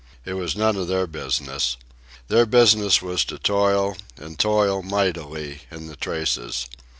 It was none of their business. Their business was to toil, and toil mightily, in the traces.